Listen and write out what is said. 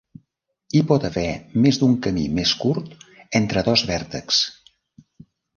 Hi pot haver més d'un camí més curt entre dos vèrtexs.